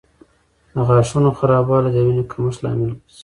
د غاښونو خرابوالی د وینې کمښت لامل ګرځي.